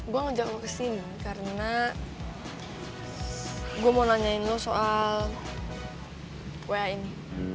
gue ngajak gue kesini karena gue mau nanyain lo soal wa ini